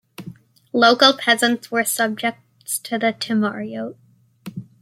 Local peasants were subjects to the timariot.